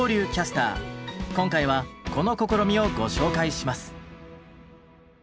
今回はこの試みをご紹介します。